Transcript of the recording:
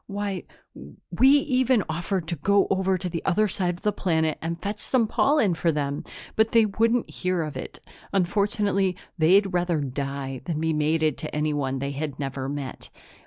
"Why, we even offered to go over to the other side of the planet and fetch some pollen for them, but they wouldn't hear of it. Unfortunately, they'd rather die than be mated to anyone they had never met."